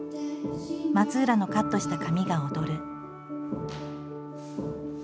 松浦のカットした髪が踊る。